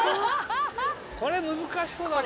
これ難しそうだな。